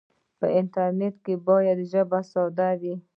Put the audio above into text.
په انټرنیټ کې باید ژبه ساده وي.